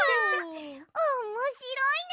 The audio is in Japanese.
おもしろいね！